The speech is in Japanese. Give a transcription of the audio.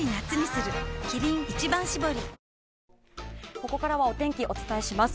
ここからはお天気、お伝えします。